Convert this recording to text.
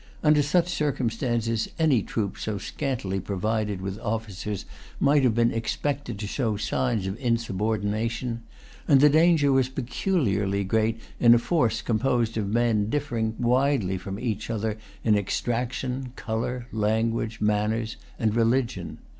Under such circumstances, any troops so scantily provided with officers might have been expected to show signs of insubordination; and the danger was peculiarly great in a force composed of men differing widely from each other in extraction, colour, language, manners, and religion.